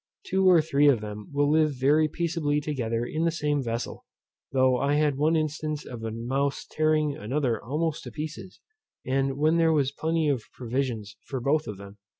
Two or three of them will live very peaceably together in the same vessel; though I had one instance of a mouse tearing another almost in pieces, and when there was plenty of provisions for both of them.